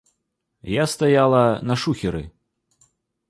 Я стаяла на шухеры.